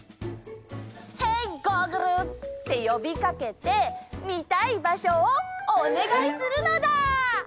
「ヘイ！ゴーグル」ってよびかけてみたい場所をおねがいするのだ！